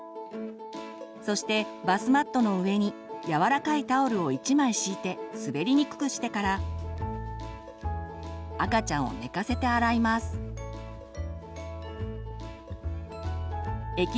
そしてバスマットの上に柔らかいタオルを１枚敷いて滑りにくくしてから赤ちゃんを寝かせて洗います。